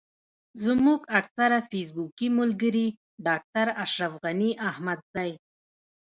زموږ اکثره فېسبوکي ملګري ډاکټر اشرف غني احمدزی.